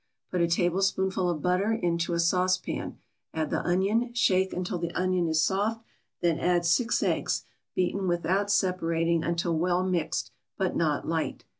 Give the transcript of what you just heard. Put a tablespoonful of butter into a saucepan, add the onion, shake until the onion is soft, then add six eggs, beaten without separating until well mixed, but not light.